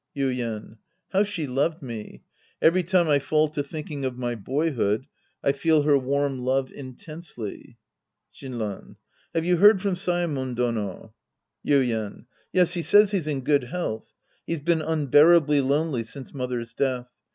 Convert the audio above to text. Yuien. How she loved me ! Every time I fall to thinking of my boyhood, I feel her warm love in tensely. Shinran. Have you heard from Saemon Dono ? Yuien. Yes, he says he's in good health. He's been unbearably lonely since mother's death.